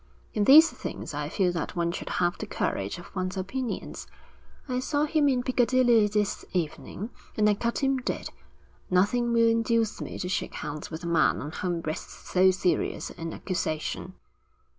In these things I feel that one should have the courage of one's opinions. I saw him in Piccadilly this evening, and I cut him dead. Nothing will induce me to shake hands with a man on whom rests so serious an accusation.'